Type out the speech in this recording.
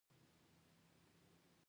د غزني په جاغوري کې د سرو زرو نښې شته.